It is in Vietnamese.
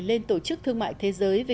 lên đường biên giới